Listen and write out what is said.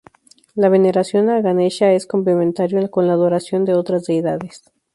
La veneración a Ganesha es complementario con la adoración de otras deidades.